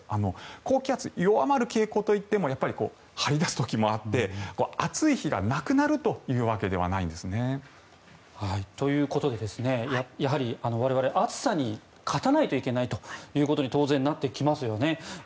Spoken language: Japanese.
高気圧、弱まる傾向といっても張り出す時もあって暑い日がなくなるというわけではないんですね。ということでやはり我々、暑さに勝たないといけないということに当然、なってきますよね。